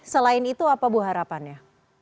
selain itu apa bu harapannya